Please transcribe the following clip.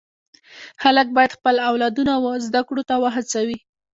خلک باید خپل اولادونه و زده کړو ته و هڅوي.